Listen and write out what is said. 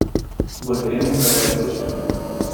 volveremos a Veracruz.